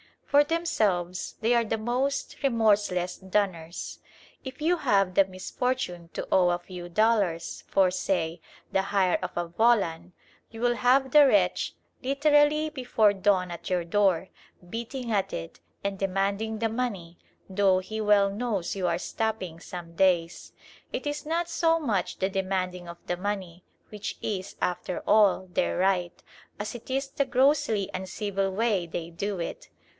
For themselves, they are the most remorseless dunners. If you have the misfortune to owe a few dollars, for, say, the hire of a volan, you will have the wretch literally before dawn at your door, beating at it and demanding the money, though he well knows you are stopping some days. It is not so much the demanding of the money, which is, after all, their right, as it is the grossly uncivil way they do it.